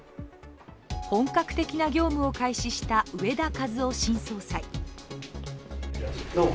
本格的な業務を開始した植田和男新総裁。